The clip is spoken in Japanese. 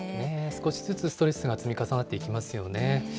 少しずつストレスが積み重なっていきますよね。